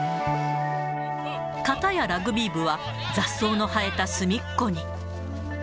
かたやラグビー部は雑草の生えた隅っこに。